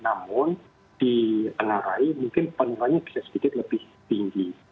namun diengarai mungkin penularannya bisa sedikit lebih tinggi